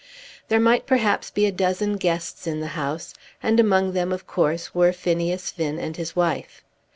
There might perhaps be a dozen guests in the house, and among them of course were Phineas Finn and his wife.